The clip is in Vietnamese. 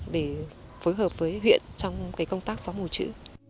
để phối hợp với huyện trong công tác xóa mù chữ